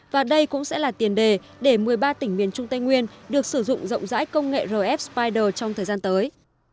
và đây cũng sẽ là tiền đề để một mươi ba tỉnh miền trung tây nguyên được sử dụng rộng rãi công nghệ rf spider trong thời gian tới